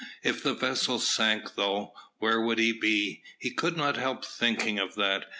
If the vessel sank though, where would he be? He could not help thinking of that.